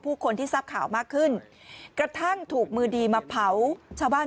ผู้คนที่ทราบข่าวมากขึ้นกระทั่งถูกมือดีมาเผาชาวบ้าน